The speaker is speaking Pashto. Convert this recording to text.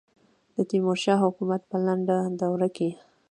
د تیمور شاه حکومت په لنډه دوره کې.